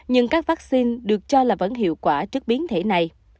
nhưng các vaccine được cho là vẫn hiệu quả trước biến thể này